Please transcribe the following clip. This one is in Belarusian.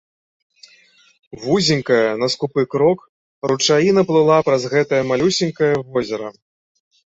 Вузенькая, на скупы крок, ручаіна плыла праз гэтае малюсенькае возера.